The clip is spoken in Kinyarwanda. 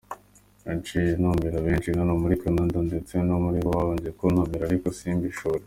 Nagiye ntumirwa kenshi hano muri Canada, ndetse muri mu babanje kuntumira, ariko simbishobore.